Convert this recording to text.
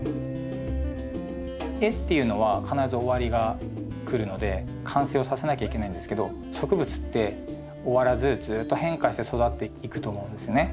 絵っていうのは必ず終わりがくるので完成をさせなきゃいけないんですけど植物って終らずずっと変化して育っていくと思うんですね。